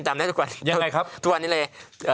ใช่จำได้ตอนนั้นแต่ตัวนี้เลย